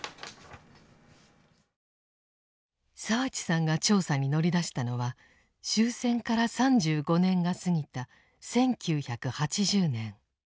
澤地さんが調査に乗り出したのは終戦から３５年が過ぎた１９８０年。